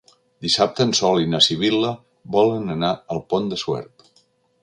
Dissabte en Sol i na Sibil·la volen anar al Pont de Suert.